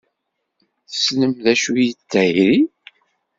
Tessnem d acu i d tayri?